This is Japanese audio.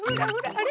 あれ？